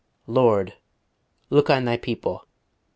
"Lord; look on Thy people.